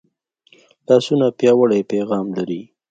لاسونه پیاوړی پیغام لري